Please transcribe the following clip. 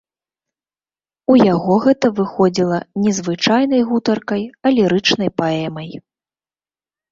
У яго гэта выходзіла не звычайнай гутаркай, а лірычнай паэмай.